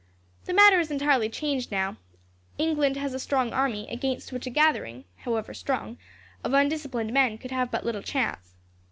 The matter is entirely changed, now. England has a strong army, against which a gathering, however strong, of undisciplined men could have but little chance.